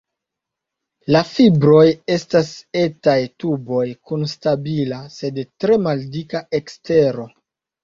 La fibroj estas etaj tuboj kun stabila, sed tre maldika ekstero.